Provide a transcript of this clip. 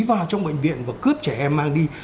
vào trong bệnh viện và cướp trẻ em mang đi